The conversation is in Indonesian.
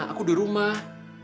aku di rumah